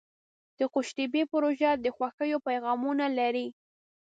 د قوشتېپې پروژه د خوښیو پیغامونه لري.